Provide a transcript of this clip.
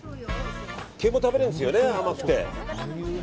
毛も食べられるんですよね甘くて。